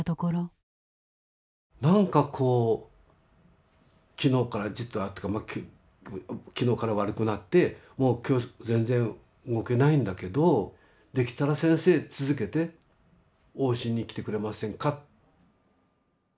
「何かこう昨日から昨日から悪くなってもう今日全然動けないんだけどできたら先生続けて往診に来てくれませんか？」。